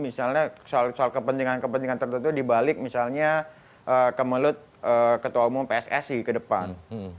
misalnya soal kepentingan kepentingan tertentu dibalik misalnya kemelut ketua umum pssi ke depan